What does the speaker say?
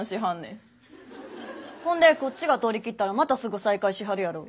ほんでこっちが通りきったらまたすぐ再開しはるやろ。